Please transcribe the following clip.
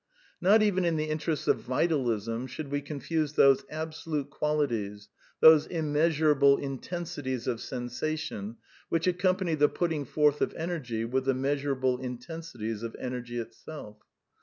Not even in the interests of Vitalism should we confuse those ^^ absolute" qualities, those immeasurable intensi ties of sensation which accompany the putting forth of energy with the measurable intensities of energy itself.